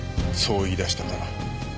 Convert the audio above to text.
そう言い出したから。